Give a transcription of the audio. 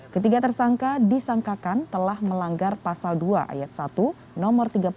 ketiga tersangka disangkakan telah melanggar pasal dua ayat satu no tiga puluh satu